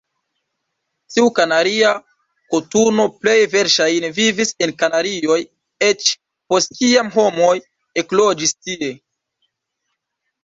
Tiu Kanaria koturno plej verŝajne vivis en Kanarioj eĉ post kiam homoj ekloĝis tie.